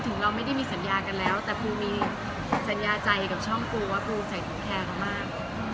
เราไม่ได้มีสัญญากันแล้วแต่ปูมีสัญญาใจกับช่องปูว่าปูใส่ตรงแคร์เขามาก